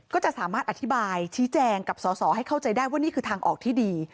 ก็จะสามารถอธิบายชี้แจงกับสอสอให้เข้าใจได้ว่านี่คือทางออกที่ดี